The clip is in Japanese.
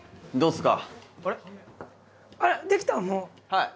はい。